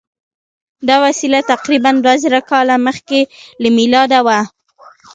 دا وسیله تقریبآ دوه زره کاله مخکې له میلاده وه.